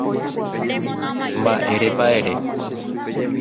Mba'érepa ere